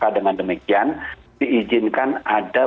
dengan demikian diizinkan ada